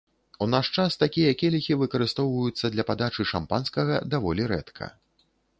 У наш час такія келіхі выкарыстоўваюцца для падачы шампанскага даволі рэдка.